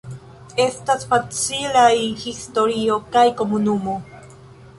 Estas fascinaj historio kaj komunumo.